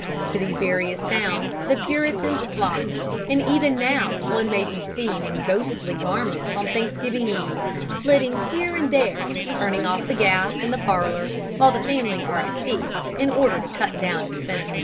To these various towns the Puritans flocked, and even now one may be seen in ghostly garments on Thanksgiving Eve flitting here and there turning off the gas in the parlor while the family are at tea, in order to cut down expenses.